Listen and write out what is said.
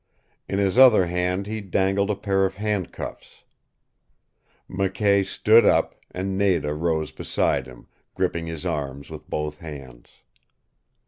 In his other hand he dangled a pair of handcuffs. McKay stood up, and Nada rose beside him, gripping his arms with both hands.